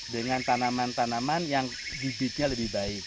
dengan tanaman tanaman yang bibitnya lebih baik